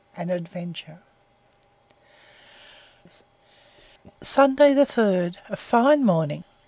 AN ADVENTURE SUNDAY 3. A fine morning.